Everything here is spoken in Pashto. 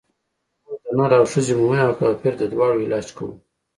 موږ د نر او ښځې مومن او کافر د دواړو علاج کړو.